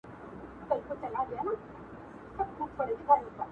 زما ژوند ته د ځانمرگي بـريـد پـه كــــــــــار دى